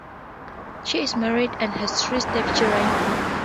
She is married and has three stepchildren.